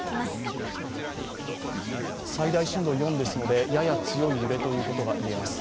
最大震度４ですので、やや強い揺れといえます。